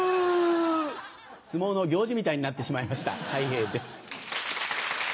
相撲の行司みたいになってしまいましたたい平です。